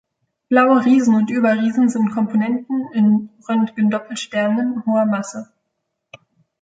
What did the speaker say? Blaue Riesen und Überriesen sind Komponenten in Röntgendoppelsternen hoher Masse.